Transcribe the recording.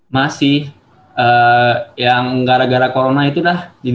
masih eee yang gara gara corona itu dah selesai ya kan